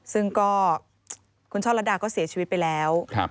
ซึ่งก็คุณช่อลัดดาก็เสียชีวิตไปแล้ว